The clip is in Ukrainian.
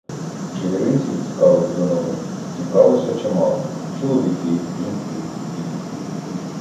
Чигиринців, цікавих до новин, зібралося чимало: чоловіки, жінки, діти.